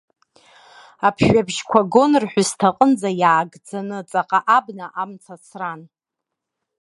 Аԥжәабжьқәа гон рҳәысҭа аҟынӡа иаагӡаны, ҵаҟа абна амца ацран.